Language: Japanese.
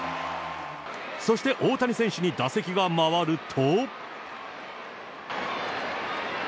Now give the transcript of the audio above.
そして大谷選手に打席が回ると。